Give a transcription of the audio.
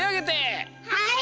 はい！